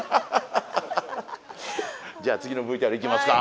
じゃあ次のＶＴＲいきますか。